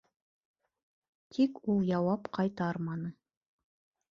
Тик ул яуап ҡайтарманы.